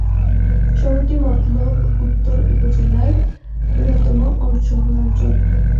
শহরটি মতলব উত্তর উপজেলার বৃহত্তম শহরাঞ্চল।